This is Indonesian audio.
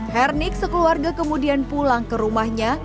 hernik sekeluarga kemudian pulang ke rumahnya